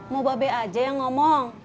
mau babe aja yang ngomong